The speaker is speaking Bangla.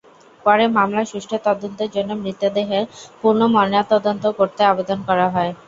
পরে মামলার সুষ্ঠু তদন্তের জন্য মৃতদেহের পুনর্ময়নাতদন্ত করতে আবেদন করা হয়।